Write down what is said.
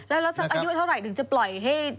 แล้วสักอายุเท่าไหร่ถึงจะปล่อยให้